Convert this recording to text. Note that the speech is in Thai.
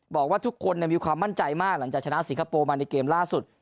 บอกว่าทุกคนมีความมั่นใจมากหลังจากชนะสิงคโปร์มาในเกมล่าสุด